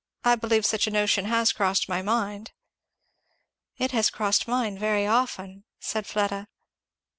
I believe such a notion has crossed my mind." "It has crossed mine very often," said Fleda.